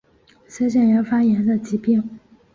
腮腺炎发炎的疾病。